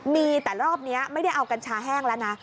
มีแต่รอบนี้ไม่ได้เอากัญชาแห้งแล้วนะ